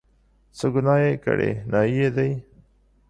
څه ګناه یې کړې، نایي دی.